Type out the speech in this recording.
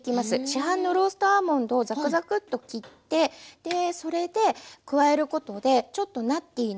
市販のローストアーモンドをザクザクッと切ってそれで加えることでちょっとナッティーな香りと。